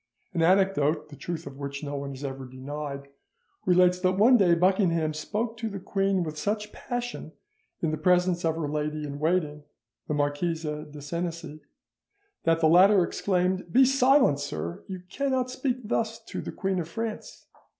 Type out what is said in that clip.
An anecdote, the truth of which no one has ever denied, relates that one day Buckingham spoke to the queen with such passion in the presence of her lady in waiting, the Marquise de Senecey, that the latter exclaimed, "Be silent, sir, you cannot speak thus to the Queen of France!"